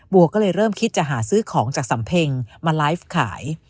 วัวก็เลยเริ่มคิดจะหาซื้อของจากสำเพ็งมาไลฟ์ขาย